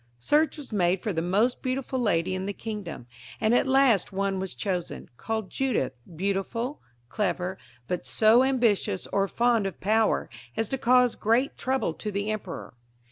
Search was made for the most beautiful lady in the kingdom, and at last one was chosen, called Judith, beautiful, clever, but so ambitious or fond of power, as to cause great trouble to the emperor.